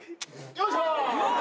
よいしょ。